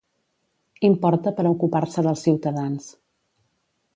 Importa per a ocupar-se dels ciutadans.